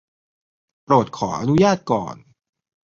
โปรดขออนุญาตก่อน